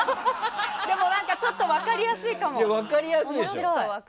でもちょっと分かりやすいかも。